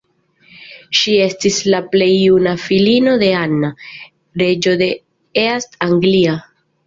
Ŝi estis la plej juna filino de Anna, reĝo de East Anglia.